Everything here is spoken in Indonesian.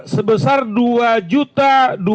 sebesar dua juta